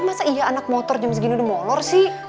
masa iya anak motor jam segini udah monor sih